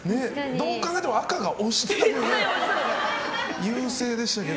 どう考えても赤が押してたけど。